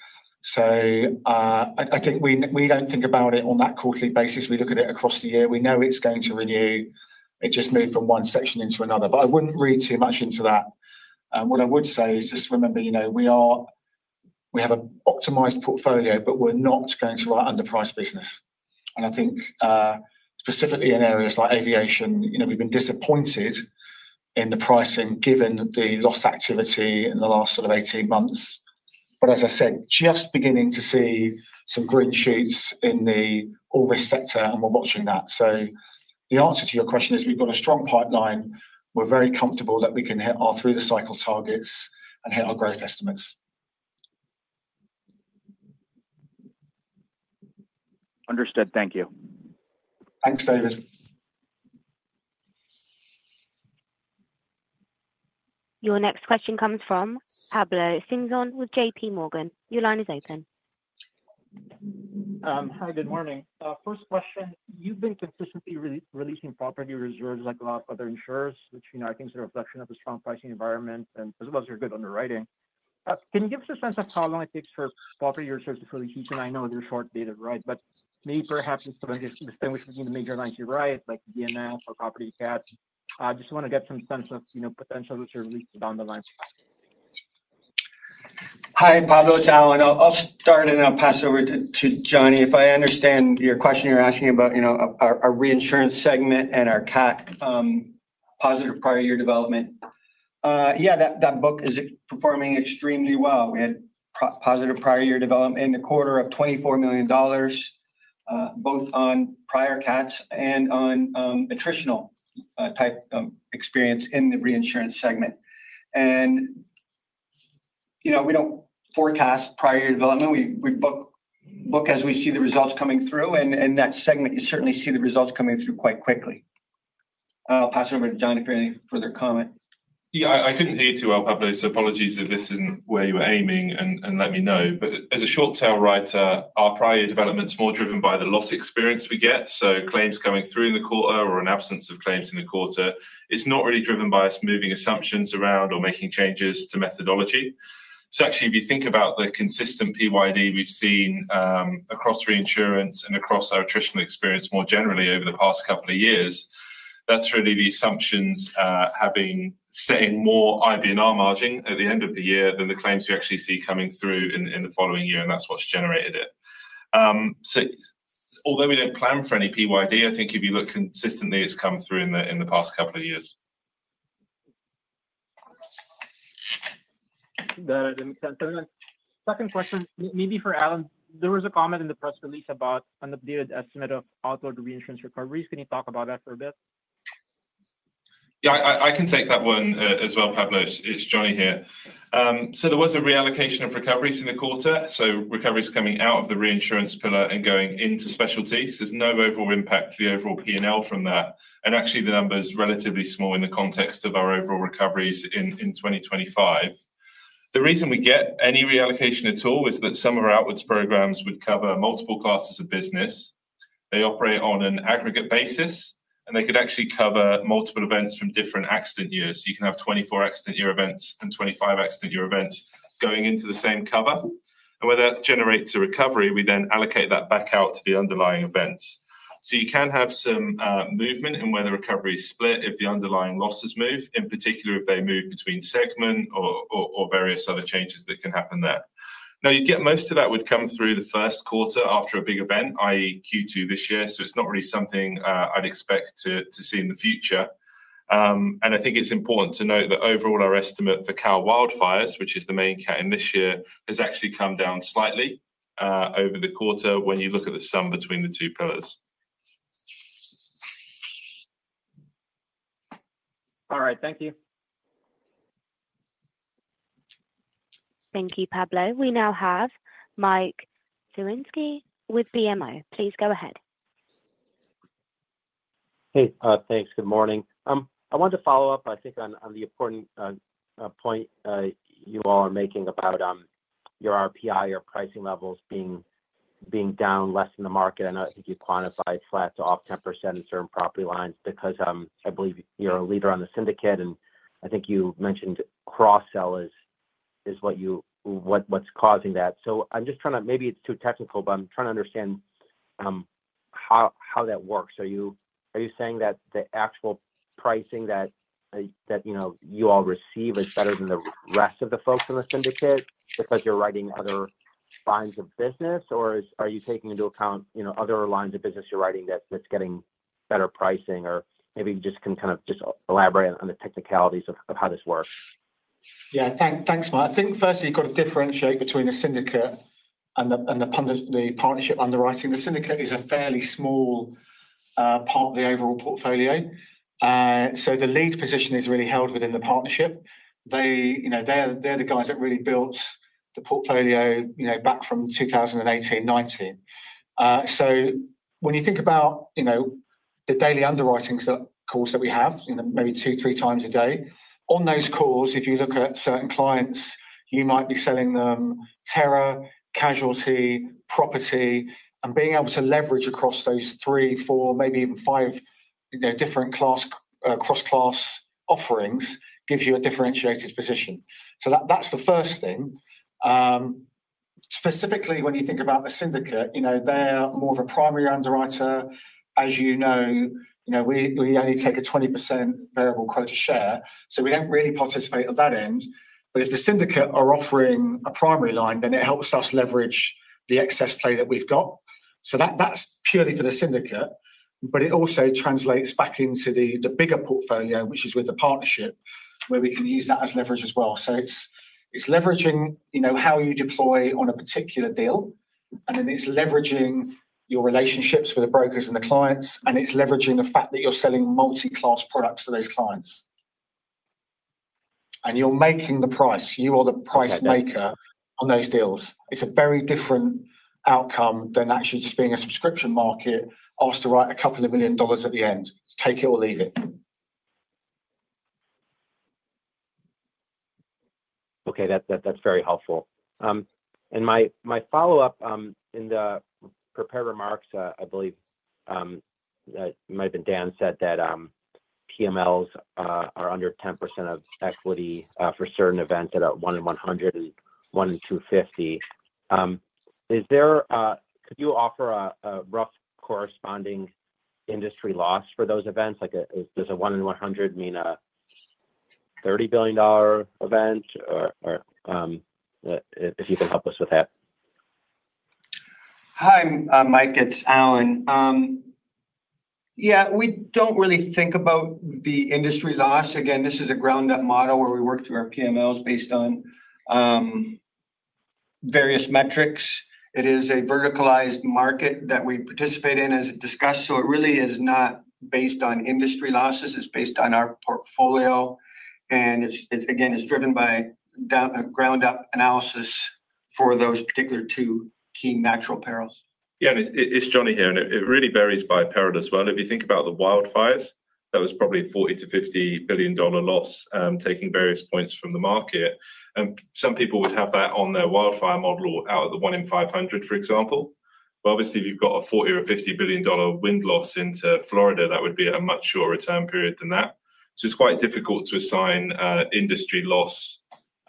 Speaker 2: I think we don't think about it on that quarterly basis. We look at it across the year. We know it's going to renew. It just moved from one section into another. I wouldn't read too much into that. What I would say is just remember, we have an optimized portfolio, but we're not going to write underpriced business. I think, specifically in areas like aviation, we've been disappointed in the pricing given the loss activity in the last sort of 18 months. As I said, just beginning to see some green shoots in the all-risk sector, and we're watching that. The answer to your question is we've got a strong pipeline. We're very comfortable that we can hit our through-the-cycle targets and hit our growth estimates.
Speaker 7: Understood. Thank you.
Speaker 2: Thanks, David.
Speaker 4: Your next question comes from Pablo Singzon with JP Morgan. Your line is open.
Speaker 8: Hi, good morning. First question, you've been consistently releasing property reserves like a lot of other insurers, which I think is a reflection of a strong pricing environment as well as your good underwriting. Can you give us a sense of how long it takes for property reserves to fully heat? I know they're short dated, right? Perhaps instead of just within the major lines you write, like direct and facultative or property cat, I just want to get some sense of potential reserves down the line.
Speaker 3: Hi, Pablo. It's Allan, I'll start and I'll pass over to Jonny. If I understand your question, you're asking about, you know, our reinsurance segment and our cat, positive prior year development. That book is performing extremely well. We had positive prior year development in the quarter of $24 million, both on prior cats and on attritional type experience in the reinsurance segment. You know, we don't forecast prior year development. We book as we see the results coming through. In that segment, you certainly see the results coming through quite quickly. I'll pass it over to Jonathan for any further comment.
Speaker 9: Yeah, I couldn't hear you too well, Pablo. Apologies if this isn't where you were aiming and let me know. As a short-tail writer, our prior year development's more driven by the loss experience we get. Claims coming through in the quarter or an absence of claims in the quarter, it's not really driven by us moving assumptions around or making changes to methodology. Actually, if you think about the consistent PYD we've seen across reinsurance and across our attritional experience more generally over the past couple of years, that's really the assumptions have been setting more IBNR margin at the end of the year than the claims you actually see coming through in the following year. That's what's generated it. Although we don't plan for any PYD, I think if you look consistently, it's come through in the past couple of years.
Speaker 8: Got it. Second question, maybe for Allan, there was a comment in the press release about an updated estimate of outwards reinsurance recoveries. Can you talk about that for a bit?
Speaker 9: Yeah, I can take that one as well, Pablo. It's Jonny here. There was a reallocation of recoveries in the quarter, with recoveries coming out of the reinsurance pillar and going into specialties. There's no overall impact to the overall P&L from that. Actually, the number is relatively small in the context of our overall recoveries in 2025. The reason we get any reallocation at all is that some of our outwards programs would cover multiple classes of business. They operate on an aggregate basis, and they could actually cover multiple events from different accident years. You can have 2024 accident year events and 2025 accident year events going into the same cover. When that generates a recovery, we then allocate that back out to the underlying events. You can have some movement in when the recovery is split if the underlying losses move, in particular if they move between segment or various other changes that can happen there. Most of that would come through the first quarter after a big event, i.e., Q2 this year. It's not really something I'd expect to see in the future. I think it's important to note that overall our estimate for Cal wildfires, which is the main cat in this year, has actually come down slightly over the quarter when you look at the sum between the two pillars.
Speaker 8: All right, thank you.
Speaker 4: Thank you, Pablo. We now have Mike Zaremski with BMO. Please go ahead.
Speaker 10: Hey, thanks. Good morning. I wanted to follow up, I think, on the important point you all are making about your RPI or pricing levels being down less than the market. I know I think you quantified flat to off 10% in certain property lines because I believe you're a leader on the syndicate, and I think you mentioned cross-sell is what's causing that. I'm just trying to, maybe it's too technical, but I'm trying to understand how that works. Are you saying that the actual pricing that you know you all receive is better than the rest of the folks in the syndicate because you're writing other lines of business, or are you taking into account other lines of business you're writing that's getting better pricing, or maybe you just can kind of elaborate on the technicalities of how this works?
Speaker 2: Yeah, thanks, Mike. I think firstly, you've got to differentiate between a syndicate and the partnership underwriting. The syndicate is a fairly small part of the overall portfolio. The lead position is really held within the partnership. They're the guys that really built the portfolio, back from 2018-2019. When you think about the daily underwriting calls that we have, maybe two, three times a day, on those calls, if you look at certain clients, you might be selling them terror, casualty, property, and being able to leverage across those three, four, maybe even five different cross-class offerings gives you a differentiated position. That's the first thing. Specifically, when you think about the syndicate, they're more of a primary underwriter. As you know, we only take a 20% variable quota share. We don't really participate at that end. If the syndicate are offering a primary line, then it helps us leverage the excess play that we've got. That's purely for the syndicate, but it also translates back into the bigger portfolio, which is with the partnership, where we can use that as leverage as well. It's leveraging how you deploy on a particular deal, and then it's leveraging your relationships with the brokers and the clients, and it's leveraging the fact that you're selling multi-class products to those clients. You're making the price. You are the price maker on those deals. It's a very different outcome than actually just being a subscription market asked to write a couple of million dollars at the end. Take it or leave it.
Speaker 10: Okay, that's very helpful. My follow-up, in the prepared remarks, I believe it might have been Dan said that PMLs are under 10% of equity for certain events at a 1 -in-100 and 1-in-250. Is there, could you offer a rough corresponding industry loss for those events? Like, does a 1 in 100 mean a $30 billion event? If you could help us with that.
Speaker 3: Hi, I'm Mike. It's Allan. We don't really think about the industry loss. This is a ground-up model where we work through our PMLs based on various metrics. It is a verticalized market that we participate in, as discussed. It really is not based on industry losses. It's based on our portfolio, and it's driven by ground-up analysis for those particular two key natural perils.
Speaker 9: Yeah, it's Jonny here. It really varies by peril as well. If you think about the wildfires, that was probably a $40 billion-$50 billion loss, taking various points from the market. Some people would have that on their wildfire model out of the 1-in-500, for example. Obviously, if you've got a $40 billion or $50 billion wind loss into Florida, that would be a much shorter time period than that. It's quite difficult to assign industry loss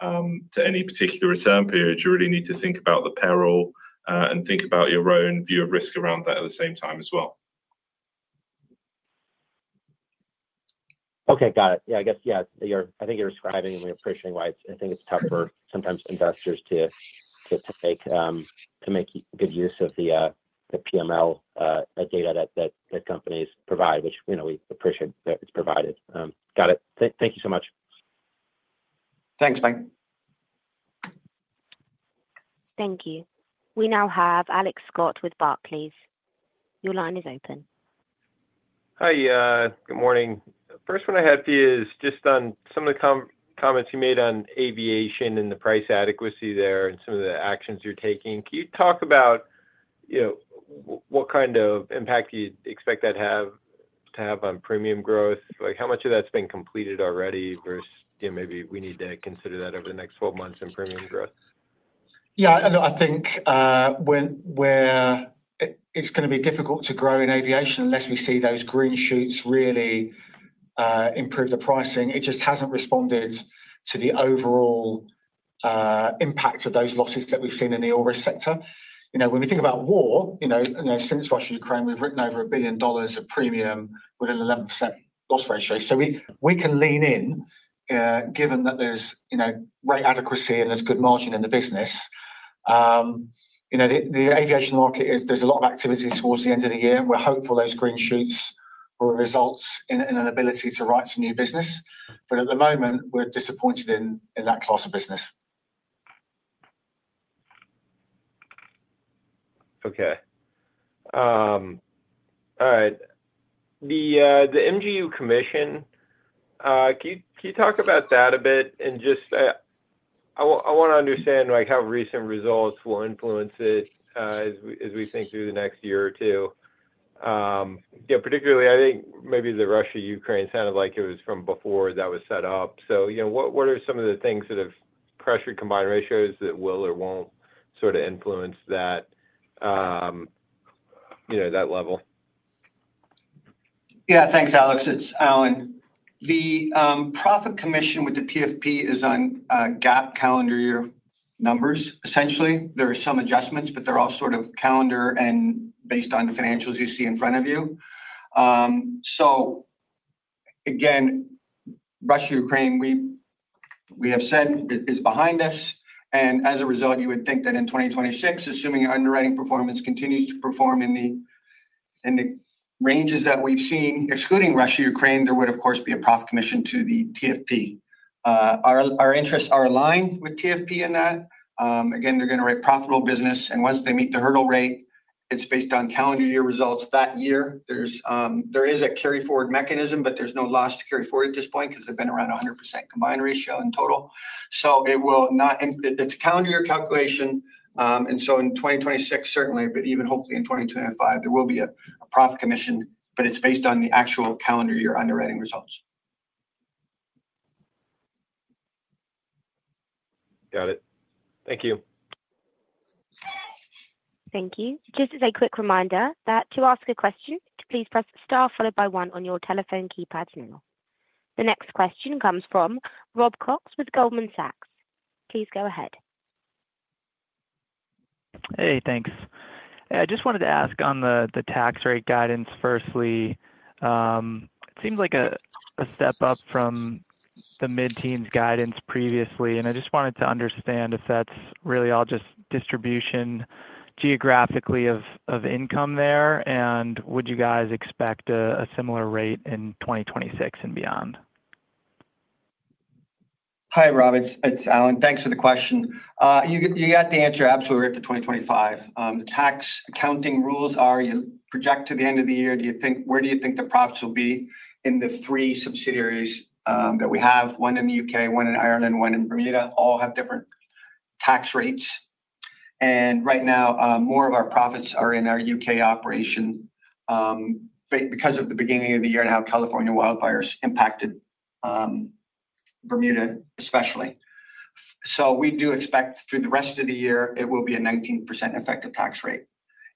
Speaker 9: to any particular return period. You really need to think about the peril and think about your own view of risk around that at the same time as well.
Speaker 5: Okay, got it. I guess, yeah, I think you're describing and we're appreciating why I think it's tough for sometimes investors to make good use of the PML data that companies provide, which, you know, we appreciate that it's provided. Got it. Thank you so much.
Speaker 2: Thanks, Mike.
Speaker 4: Thank you. We now have Alex Scott with Barclays. Your line is open.
Speaker 11: Hi, good morning. First one I have for you is just on some of the comments you made on aviation and the price adequacy there and some of the actions you're taking. Can you talk about what kind of impact do you expect that to have on premium growth? Like, how much of that's been completed already versus maybe we need to consider that over the next 12 months in premium growth?
Speaker 2: Yeah, I think where it's going to be difficult to grow in aviation unless we see those green shoots really improve the pricing. It just hasn't responded to the overall impact of those losses that we've seen in the all-risk sector. You know, when we think about war, since Russia-Ukraine, we've written over $1 billion of premium with an 11% loss ratio. So we can lean in, given that there's rate adequacy and there's good margin in the business. You know, the aviation market is, there's a lot of activity towards the end of the year. We're hopeful those green shoots will result in an ability to write new business. At the moment, we're disappointed in that class of business.
Speaker 11: Okay. All right. The MGU Commission, can you talk about that a bit? I want to understand, like, how recent results will influence it as we think through the next year or two. Particularly, I think maybe the Russia-Ukraine sounded like it was from before that was set up. What are some of the things that have pressured combined ratios that will or won't sort of influence that level?
Speaker 3: Yeah, thanks, Alex. It's Allan. The profit commission with the TFP is on GAAP calendar year numbers, essentially. There are some adjustments, but they're all sort of calendar and based on the financials you see in front of you. Russia-Ukraine, we have said is behind us. As a result, you would think that in 2026, assuming your underwriting performance continues to perform in the ranges that we've seen, excluding Russia-Ukraine, there would, of course, be a profit commission to the TFP. Our interests are aligned with TFP in that. They're going to write profitable business, and once they meet the hurdle rate, it's based on calendar year results that year. There is a carry-forward mechanism, but there's no loss to carry forward at this point because they've been around 100% combined ratio in total. It will not, it's a calendar year calculation. In 2026, certainly, but even hopefully in 2025, there will be a profit commission, but it's based on the actual calendar year underwriting results.
Speaker 11: Got it. Thank you.
Speaker 4: Thank you. Just as a quick reminder that to ask a question, please press Star followed by one on your telephone keypad now. The next question comes from Robert Cox with Goldman Sachs. Please go ahead.
Speaker 12: Hey, thanks. I just wanted to ask on the tax rate guidance. Firstly, it seems like a step up from the mid-teens guidance previously. I just wanted to understand if that's really all just distribution geographically of income there. Would you guys expect a similar rate in 2026 and beyond?
Speaker 3: Hi, Rob. It's Allan. Thanks for the question. You got the answer absolutely right for 2025. The tax accounting rules are you project to the end of the year. Do you think, where do you think the profits will be in the three subsidiaries that we have? One in the U.K., one in Ireland, one in Bermuda. All have different tax rates. Right now, more of our profits are in our U.K., operation because of the beginning of the year and how California wildfires impacted Bermuda, especially. We do expect for the rest of the year, it will be a 19% effective tax rate.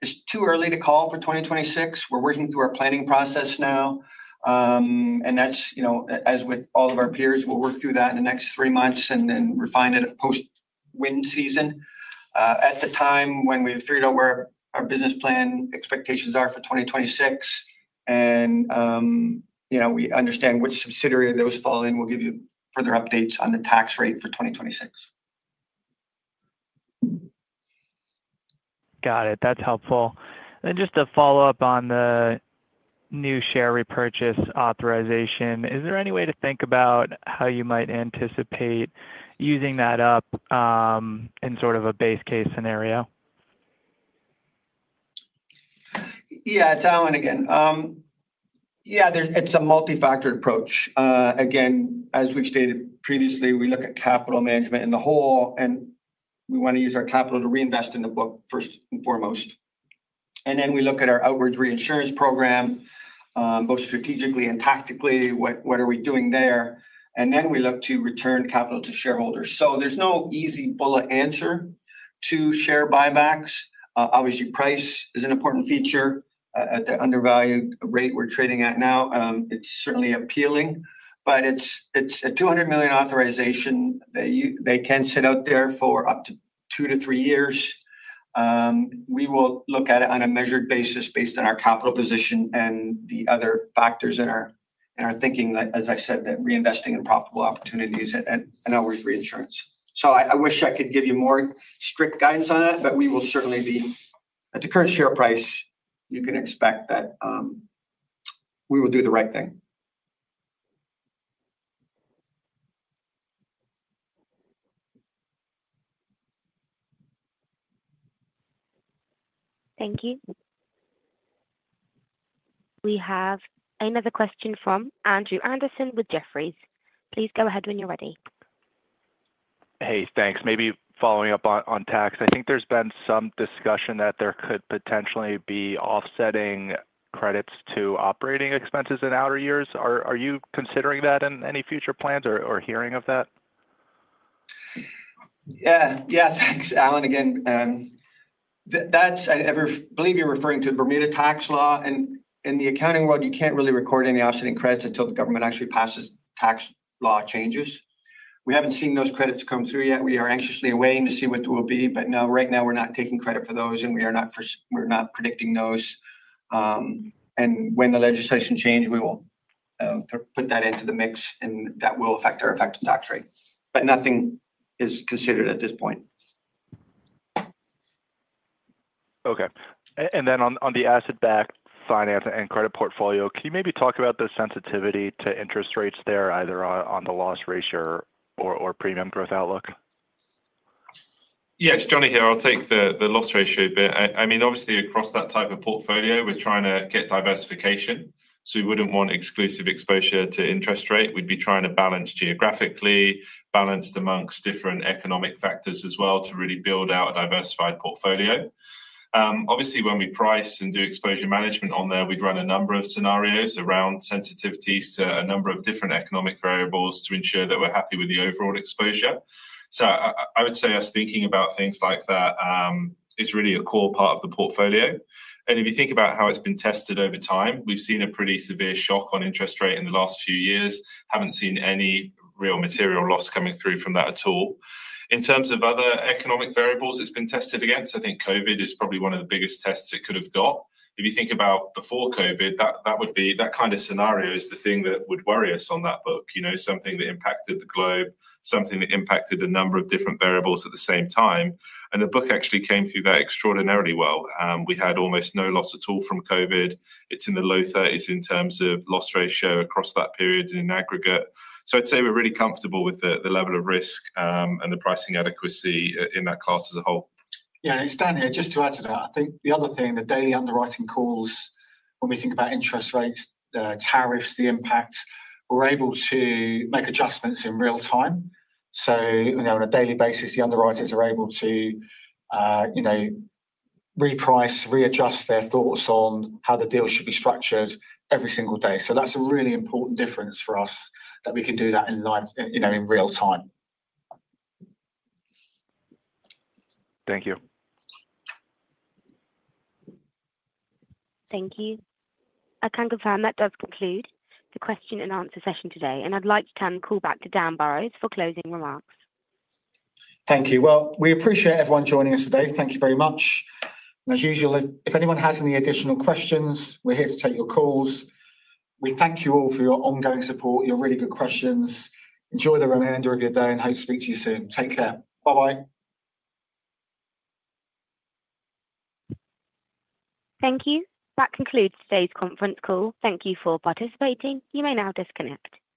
Speaker 3: It's too early to call for 2026. We're working through our planning process now. As with all of our peers, we'll work through that in the next three months and then refine it post-wind season. At the time when we've figured out where our business plan expectations are for 2026, and you know, we understand which subsidiary those fall in, we'll give you further updates on the tax rate for 2026.
Speaker 12: Got it. That's helpful. Just to follow up on the new share repurchase authorization, is there any way to think about how you might anticipate using that up in sort of a base case scenario?
Speaker 3: Yeah, it's Allan again. Yeah, it's a multifactor approach. As we've stated previously, we look at capital management in the whole, and we want to use our capital to reinvest in the book first and foremost. Then we look at our outwards reinsurance program, both strategically and tactically. What are we doing there? Then we look to return capital to shareholders. There's no easy bullet answer to share buybacks. Obviously, price is an important feature. At the undervalued rate we're trading at now, it's certainly appealing, but it's a $200 million authorization. They can sit out there for up to two to three years. We will look at it on a measured basis based on our capital position and the other factors in our thinking, that, as I said, that reinvesting in profitable opportunities and outwards reinsurance. I wish I could give you more strict guidance on that, but we will certainly be, at the current share price, you can expect that we will do the right thing.
Speaker 4: Thank you. We have another question from Andrew Andersen with Jefferies. Please go ahead when you're ready.
Speaker 13: Hey, thanks. Maybe following up on tax, I think there's been some discussion that there could potentially be offsetting credits to operating expenses in outer years. Are you considering that in any future plans or hearing of that?
Speaker 3: Yeah, thanks, Allan. Again, that's, I believe you're referring to Bermuda tax law. In the accounting world, you can't really record any offsetting credits until the government actually passes tax law changes. We haven't seen those credits come through yet. We are anxiously waiting to see what it will be, but right now we're not taking credit for those, and we are not predicting those. When the legislation changes, we will put that into the mix, and that will affect our effective tax rate. Nothing is considered at this point.
Speaker 13: Okay. On the asset-backed finance and credit portfolio, can you maybe talk about the sensitivity to interest rates there, either on the loss ratio or premium growth outlook?
Speaker 9: Yeah, it's Jonny here. I'll take the loss ratio bit. Obviously, across that type of portfolio, we're trying to get diversification. We wouldn't want exclusive exposure to interest rate. We'd be trying to balance geographically, balanced amongst different economic factors as well to really build out a diversified portfolio. Obviously, when we price and do exposure management on there, we'd run a number of scenarios around sensitivities to a number of different economic variables to ensure that we're happy with the overall exposure. I would say us thinking about things like that is really a core part of the portfolio. If you think about how it's been tested over time, we've seen a pretty severe shock on interest rate in the last few years. Haven't seen any real material loss coming through from that at all. In terms of other economic variables it's been tested against, I think COVID is probably one of the biggest tests it could have got. If you think about before COVID, that would be that kind of scenario is the thing that would worry us on that book. Something that impacted the globe, something that impacted a number of different variables at the same time. The book actually came through that extraordinarily well. We had almost no loss at all from COVID. It's in the low 30% in terms of loss ratio across that period and in aggregate. I'd say we're really comfortable with the level of risk and the pricing adequacy in that class as a whole.
Speaker 2: Yeah. And it's Dan here. Just to add to that, I think the other thing, the daily underwriting calls, when we think about interest rates, the tariffs, the impact, we're able to make adjustments in real time. On a daily basis, the underwriters are able to reprice, readjust their thoughts on how the deal should be structured every single day. That's a really important difference for us that we can do that in life, in real time.
Speaker 13: Thank you.
Speaker 4: Thank you. I can confirm that does conclude the question-and-answer session today. I'd like to turn the call back to Daniel Burrows for closing remarks.
Speaker 2: Thank you. We appreciate everyone joining us today. Thank you very much. If anyone has any additional questions, we're here to take your calls. We thank you all for your ongoing support, your really good questions. Enjoy the remainder of your day, and hope to speak to you soon. Take care. Bye-bye.
Speaker 4: Thank you. That concludes today's conference call. Thank you for participating. You may now disconnect.